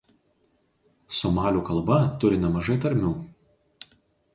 Somalių kalba turi nemažai tarmių.